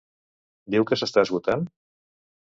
Diu que s'està esgotant?